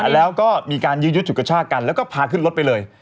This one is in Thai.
แล้วก็มีการยืนยุทธ์สุขชาติกันแล้วก็พาขึ้นรถไปเลย